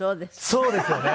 そうですよね。